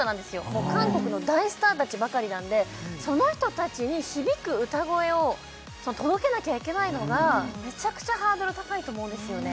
もう韓国の大スター達ばかりなのでその人達に響く歌声を届けなきゃいけないのがメチャクチャハードル高いと思うんですよね